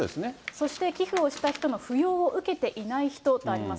そして寄付をした人の扶養を受けていない人とあります。